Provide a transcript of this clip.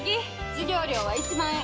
授業料は１万円。